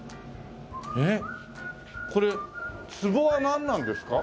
えっこれ壺はなんなんですか？